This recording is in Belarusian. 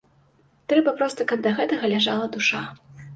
Трэба, проста каб да гэтага ляжала душа.